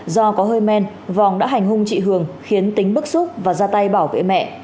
do có hơi men vòng đã hành hung chị hường khiến tính bức xúc và ra tay bảo vệ mẹ